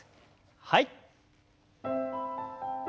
はい。